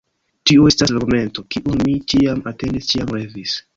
Tio estas la momento, kiun mi ĉiam atendis, ĉiam revis.